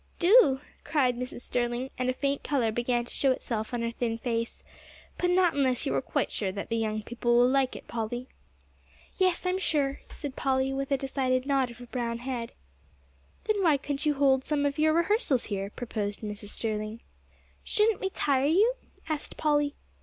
"Do," cried Mrs. Sterling, and a faint color began to show itself on her thin face, "but not unless you are quite sure that the young people will like it, Polly." "Yes, I am sure," said Polly, with a decided nod of her brown head. "Then why couldn't you hold some of your rehearsals here?" proposed Mrs. Sterling. "Shouldn't we tire you?" asked Polly.